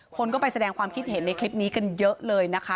คนก็ไปแสดงความคิดเห็นในคลิปนี้กันเยอะเลยนะคะ